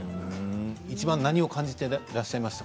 いちばん何を感じてらっしゃいました？